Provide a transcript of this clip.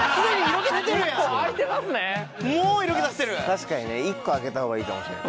確かにね１個開けたほうがいいかもしれない。